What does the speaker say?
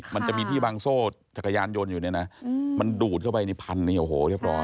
มันจะมีที่บางโซ่จักรยานยนต์อยู่เนี่ยนะมันดูดเข้าไปในพันเนี่ยโอ้โหเรียบร้อย